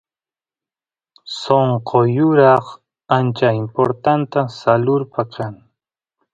sonqo yuraq ancha importanta salurpa kan